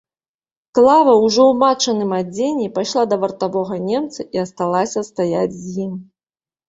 Клава, ужо ў матчыным адзенні, пайшла да вартавога немца і асталася стаяць з ім.